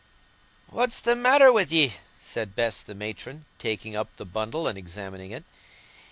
"What's the matter wi' ye?" said Bess the matron, taking up the bundle and examining it.